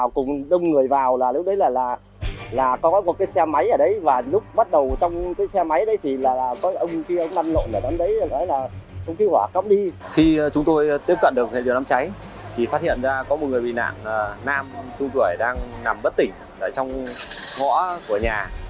chỉ phát hiện ra có một người bị nạn nam trung tuổi đang nằm bất tỉnh trong ngõ của nhà